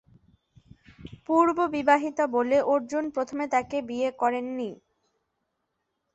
পূর্ব-বিবাহিতা বলে অর্জুন প্রথমে তাকে বিয়ে করেন নি।